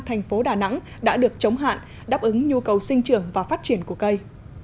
thành phố đà nẵng đã được chống hạn đáp ứng nhu cầu sinh trưởng và phát triển của cây